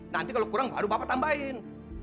nanti kalau kurang baru bapak tambahin